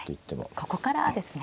ここからですね。